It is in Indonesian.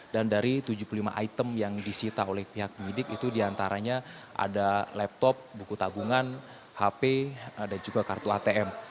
dan dari tujuh puluh lima item yang disita oleh pihak penyidik itu diantaranya ada laptop buku tabungan hp dan juga kartu atm